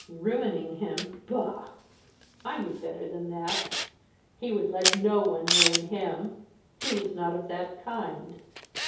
Ruining him? bah! I knew better than that. He would let no one ruin him he was not of that kind.